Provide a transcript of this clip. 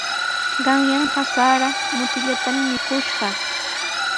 Qanyanqa sara mutillatami mikuyashqaa.